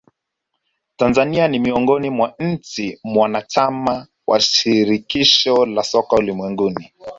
tanzania ni miongoni mwa nchi mwanachama wa shirikisho la soka ulimwenguni